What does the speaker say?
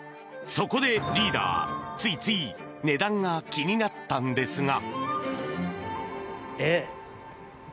そこでリーダー、ついつい値段が気になったんですが。